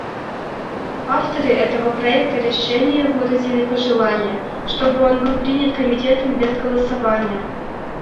Авторы этого проекта решения выразили пожелание, чтобы он был принят Комитетом без голосования.